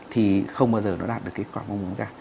thì không bao giờ nó đạt được kết quả mong muốn ra